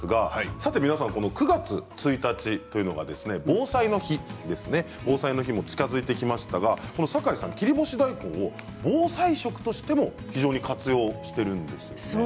さて９月１日、防災の日も近づいてきましたがサカイさん、切り干し大根は防災食としても活用しているんですよね。